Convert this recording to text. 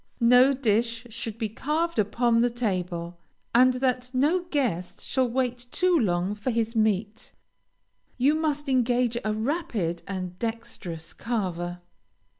No dish should be carved upon the table, and that no guest shall wait too long for his meat, you must engage a rapid and dexterous carver.